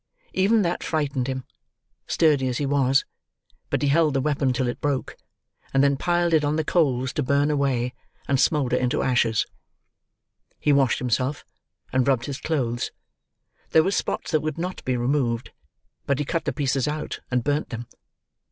Even that frightened him, sturdy as he was; but he held the weapon till it broke, and then piled it on the coals to burn away, and smoulder into ashes. He washed himself, and rubbed his clothes; there were spots that would not be removed, but he cut the pieces out, and burnt them.